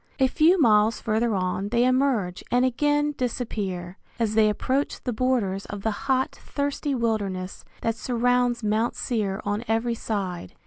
A few miles further on they emerge and again disappear, as they approach the borders of the hot, thirsty wilderness that surrounds Mount Seir on every side.